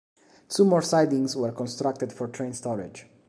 Two more sidings were constructed for train storage.